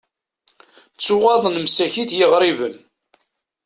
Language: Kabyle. Ttuɣaḍen msakit yiɣriben.